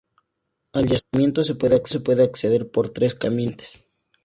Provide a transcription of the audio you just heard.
Al yacimiento se puede acceder por tres caminos diferentes.